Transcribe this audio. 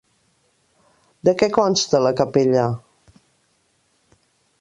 De què consta la capella?